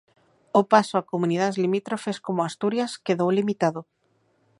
O paso a comunidades limítrofes como Asturias quedou limitado.